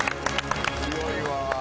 強いわ。